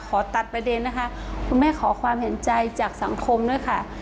ขอตัดประเด็นนะคะคุณแม่ขอความเห็นใจจากสังคมด้วยค่ะ